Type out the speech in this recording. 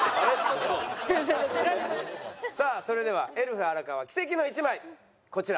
さあそれではエルフ荒川奇跡の１枚こちら。